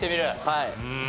はい。